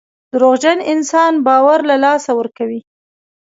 دروغجن انسان باور له لاسه ورکوي.